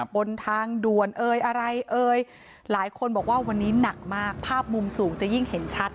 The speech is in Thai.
บนทางด่วนเอ่ยอะไรเอ่ยหลายคนบอกว่าวันนี้หนักมากภาพมุมสูงจะยิ่งเห็นชัด